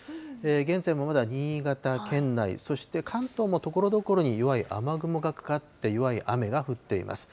現在もまだ新潟県内、そして関東もところどころに弱い雨雲がかかって弱い雨が降っています。